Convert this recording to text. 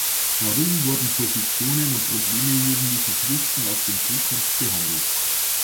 Darin wurden Positionen und Probleme jugendlicher Christen aus dem Trikont behandelt.